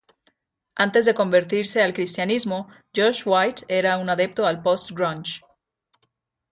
Antes de convertirse al cristianismo, Josh White era un adepto al post-grunge.